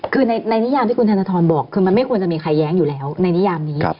คือในนิยามที่คุณธนทรบอกคือมันไม่ควรจะมีใครแย้งอยู่แล้วในนิยามนี้